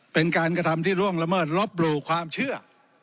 เป็นการกระทำที่ล่วงละเมิดลบหลู่ความเชื่อ